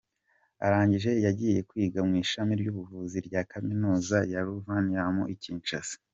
Arangije yagiye kwiga mu Ishami ry’Ubuvuzi rya Kaminuza ya Louvanium i Kinshasa.